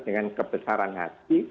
dengan kebesaran hati